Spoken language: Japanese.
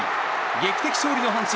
劇的勝利の阪神。